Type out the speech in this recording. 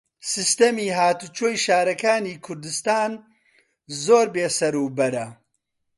سیستەمی هاتوچۆی شارەکانی کوردستان زۆر بێسەروبەرە.